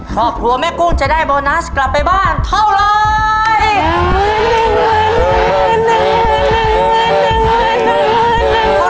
ครอบครัวแม่กุ้งจะได้โบนัสกลับไปบ้านเท่าไร